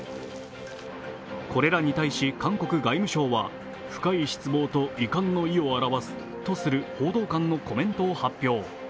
これらに対し韓国外務省は深い失望と遺憾の意を示すとする報道官のコメントを発表。